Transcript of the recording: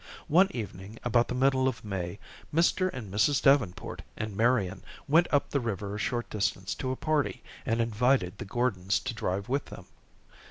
One evening about the middle of May, Mr. and Mrs. Davenport and Marian went up the river a short distance to a party, and invited the Gordons to drive with them.